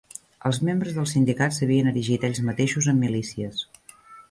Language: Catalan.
Els membres dels sindicats s'havien erigit ells mateixos en milícies